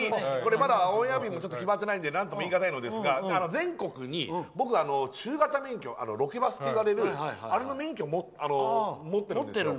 まだオンエア日も決まってないのでなんともいえないんですが全国に僕は中型免許ロケバスといわれるあれの免許を持ってるんですよ。